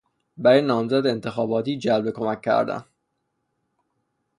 برای نامزد انتخاباتی جلب کمک کردن